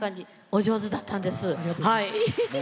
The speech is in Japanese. お上手だったんです。